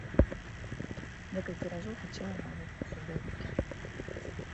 Некалькі разоў хацела налажыць на сябе рукі.